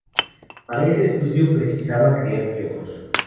Para ese estudio precisaba criar piojos.